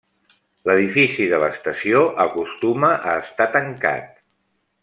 L'edifici de l'estació acostuma a estar tancat.